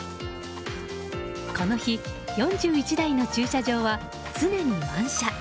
この日４１台の駐車場は常に満車。